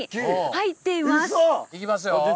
いきますよ。